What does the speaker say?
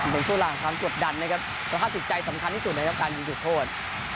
เป็นสู้หลังทั้งส่วนดันนะครับก็ค่าสิทธิ์ใจสำคัญที่สุดในการยิงจุดโทษ